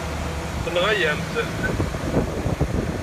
Tenɣa-yam-t.